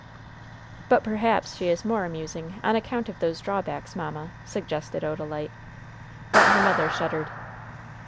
"But perhaps she is more amusing on account of those drawbacks, mamma," suggested Odalite. But her mother shuddered.